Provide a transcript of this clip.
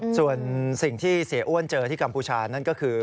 ส่วนสิ่งที่เสียอ้วนเจอที่กัมพูชานั่นก็คือ